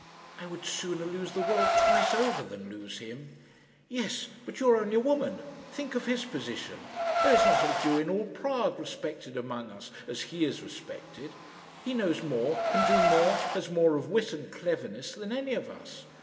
"I would sooner lose the world twice over than lose him." "Yes; but you are only a woman. Think of his position. There is not a Jew in all Prague respected among us as he is respected. He knows more, can do more, has more of wit and cleverness, than any of us.